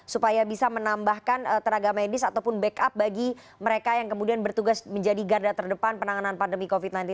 supaya bisa menambahkan tenaga medis ataupun backup bagi mereka yang kemudian bertugas menjadi garda terdepan penanganan pandemi covid sembilan belas